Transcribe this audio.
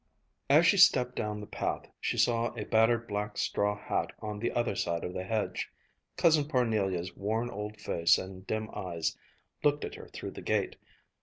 As she stepped down the path, she saw a battered black straw hat on the other side of the hedge. Cousin Parnelia's worn old face and dim eyes looked at her through the gate.